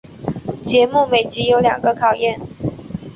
节目每集有两个考验。